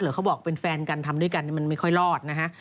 เขาบอกเป็นแฟนกันทำด้วยกันมันไม่ค่อยรอดนะฮะ